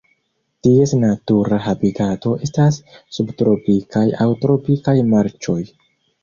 Ties natura habitato estas subtropikaj aŭ tropikaj marĉoj.